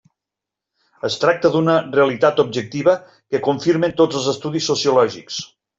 Es tracta d'una realitat objectiva que confirmen tots els estudis sociològics.